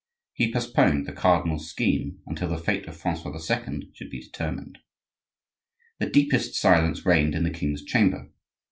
He postponed the cardinal's scheme until the fate of Francois II. should be determined. The deepest silence reigned in the king's chamber.